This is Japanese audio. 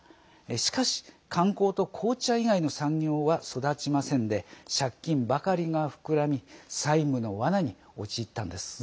しかし、観光と紅茶以外の産業は育ちませんで借金ばかりが膨らみ債務の罠に陥ったんです。